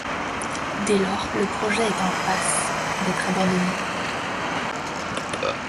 Dès lors, le projet est en passe d'être abandonné.